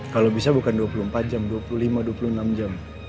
kalau bisa bukan dua puluh empat jam dua puluh lima dua puluh enam jam